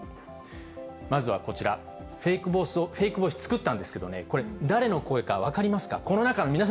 まずはこちら、フェイクボイスを作ったんですけどね、これ、誰の声か分かりますか？